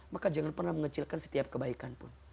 maka jangan pernah mengecilkan setiap kebaikan pun